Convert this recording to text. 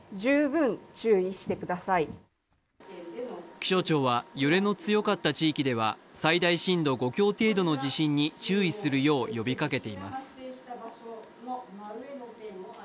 気象庁は揺れの強かった地域では最大震度５強程度の地震に注意するよう呼びかけています。